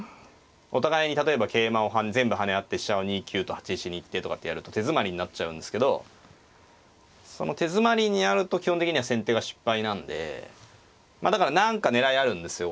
お互いに例えば桂馬を全部跳ね合って飛車を２九と８一に行ってとかってやると手詰まりになっちゃうんですけど手詰まりになると基本的には先手が失敗なんでまあだから何か狙いあるんですよ。